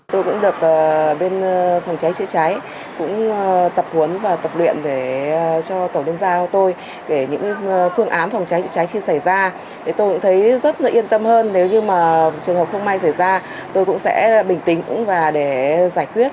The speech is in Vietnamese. tôi cũng được bên phòng cháy chữa cháy tập huấn và tập luyện cho tổ liên gia tôi những phương ám phòng cháy chữa cháy khi xảy ra tôi cũng thấy rất yên tâm hơn nếu như trường hợp không may xảy ra tôi cũng sẽ bình tĩnh và giải quyết